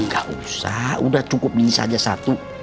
nggak usah udah cukup ini saja satu